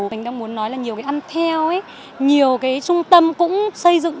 mình đang muốn nói là nhiều cái ăn theo nhiều cái trung tâm cũng xây dựng